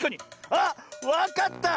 あっわかった！